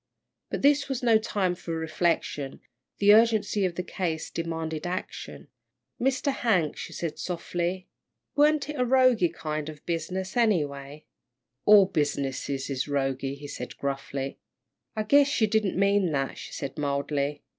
But this was no time for reflection, the urgency of the case demanded action. "Mr. Hank," she said, softly, "warn't it a roguey kind of a business, anyway?" "All business is roguey," he said, gruffly. "I guess you don't mean that," she said, mildly.